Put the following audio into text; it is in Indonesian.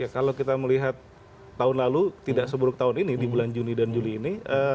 kalau kita melihat tahun lalu tidak seburuk tahun ini di bulan juni dan juli ini